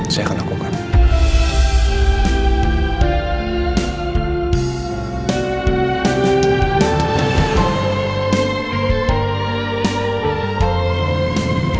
saya akan lakukan